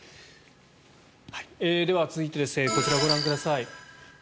では、続いてこちらをご覧ください。